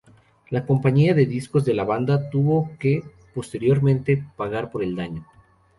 La compañía de discos de la banda tuvo que, posteriormente, pagar por el daño.